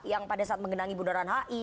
yang pada saat mengenangi bundaran hi